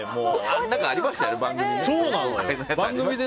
何かありましたね、番組で。